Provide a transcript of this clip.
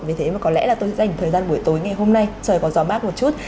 vì thế mà có lẽ là tôi sẽ dành thời gian buổi tối ngày hôm nay trời có gió mát một chút